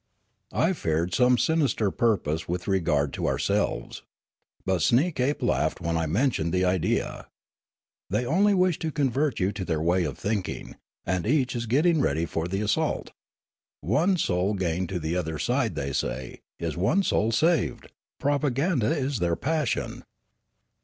I feared some sinister purpose with regard to our selves. But Sneekape laughed when I mentioned the idea. " They only wish to convert you to their way of thinking, and each is getting ready for the assault. One soul gained to their side, they say, is one soul saved. Propaganda is their passion."